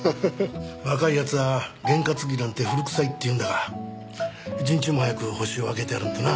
若い奴らは験担ぎなんて古臭いって言うんだが一日も早くホシを挙げてやらんとな。